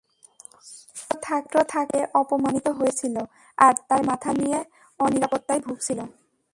ছোট থাকতে সে অপমানিত হয়েছিল আর তার মাথা নিয়ে অনিরাপত্তায় ভুগছিল।